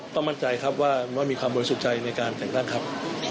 มั่นใจครับว่ามีความบริสุทธิ์ใจในการแต่งตั้งครับ